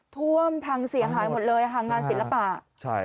ท่วมทางเสียหายหมดเลยทางงานศีลปะ